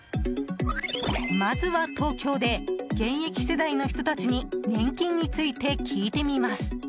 まずは、東京で現役世代の人たちに年金について聞いてみます。